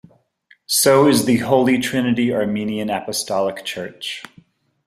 So is the Holy Trinity Armenian Apostolic Church.